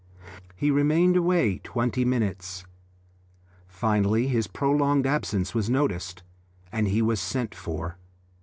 He remained away twenty minutes. Finally his prolonged absence was noticed, and he was sent for.